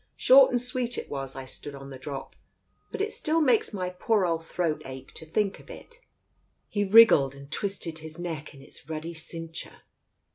Short and sweet it was once I stood on the drop, but it still makes my poor old throat ache to think of it." He wriggled and twisted his neck in its ruddy cinc ture.